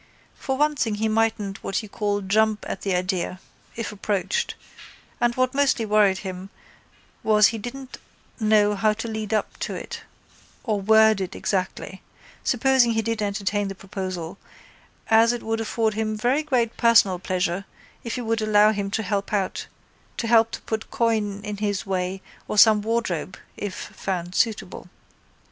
For one thing he mightn't what you call jump at the idea, if approached, and what mostly worried him was he didn't know how to lead up to it or word it exactly, supposing he did entertain the proposal, as it would afford him very great personal pleasure if he would allow him to help to put coin in his way or some wardrobe, if found suitable.